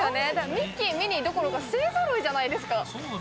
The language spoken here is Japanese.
ミッキー、ミニーどころか勢ぞろいじゃないですか。